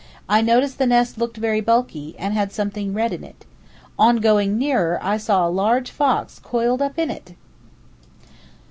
I noticed the nest looked very bulky, and had something red in it. On going nearer I saw a large fox coiled up in it!"